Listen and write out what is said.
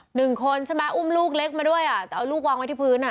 อ๋อหนึ่งคนสามะอุ้มลูกเล็กมาด้วยเอาลูกวางไว้ที่พื้น